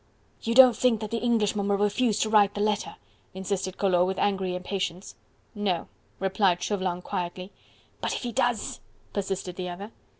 "You don't think that the Englishman will refuse to write the letter?" insisted Collot with angry impatience. "No!" replied Chauvelin quietly. "But if he does?" persisted the other.